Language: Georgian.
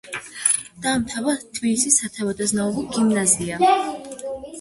დაამთავრა თბილისის სათავადაზნაურო გიმნაზია.